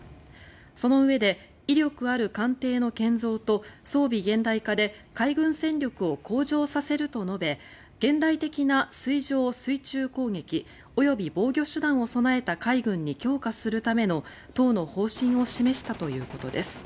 そのうえで威力ある艦艇の建造と装備現代化で海軍戦力を向上させると述べ現代的な水上・水中攻撃及び防御手段を備えた海軍に強化するための党の方針を示したということです。